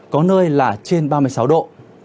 có nơi là trên ba mươi sáu độ